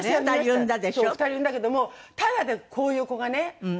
そう２人産んだけどもタダでこういう子がね。